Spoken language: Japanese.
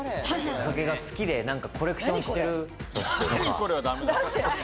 お酒が好きでコレクションしてるとか。